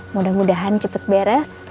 mudah mudahan cepat beres